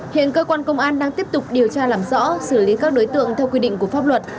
hiện cơ quan công an đang tiếp tục điều tra làm rõ xử lý các đối tượng theo quy định của pháp luật